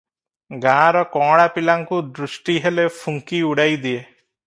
ଗାଁର କଅଁଳା ପିଲାଙ୍କୁ ଦୃଷ୍ଟିହେଲେ ଫୁଙ୍କି ଉଡ଼ାଇଦିଏ ।